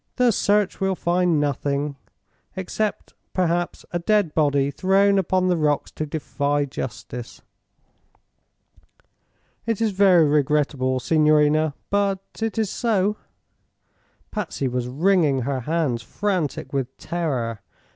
The search will find nothing, except perhaps a dead body thrown upon the rocks to defy justice. It is very regrettable, signorina; but it is so." Patsy was wringing her hands, frantic with terror.